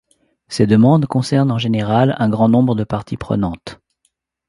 Ces demandes concernent en général un grand nombre de parties prenantes.